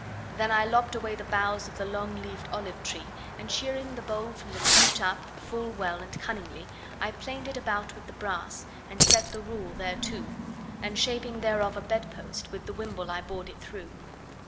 Then I lopped away the boughs of the long leafed olive tree, And shearing the bole from the root up full well and cunningly, I planed it about with the brass, and set the rule thereto, And shaping thereof a bed post, with the wimble I bored it through.